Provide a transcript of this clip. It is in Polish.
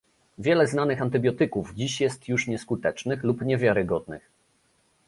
Wiele znanych antybiotyków dziś jest już nieskutecznych lub niewiarygodnych